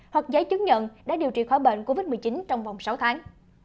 hoặc giấy chứng nhận đã điều trị khỏi bệnh covid một mươi chín trong vòng sáu tháng